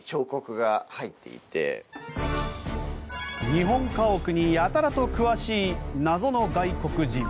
日本家屋にやたらと詳しい謎の外国人。